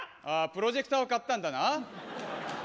プロジェクターを買ったんだな。